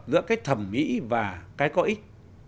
giữa cái thẩm mỹ và cái có ích